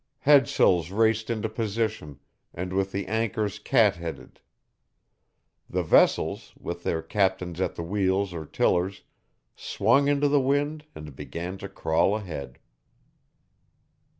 Headsails raced into position, and, with the anchors cat headed; the vessels, with their captains at the wheels or tillers, swung into the wind and began to crawl ahead.